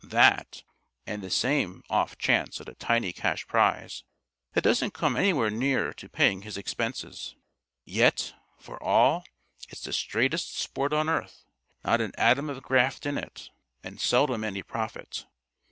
That, and the same off chance at a tiny cash prize that doesn't come anywhere near to paying his expenses. Yet, for all, it's the straightest sport on earth. Not an atom of graft in it, and seldom any profit....